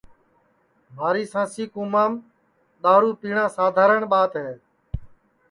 مھاری سانسی کُومام دؔارو پیٹؔا سادھارن ٻات ہے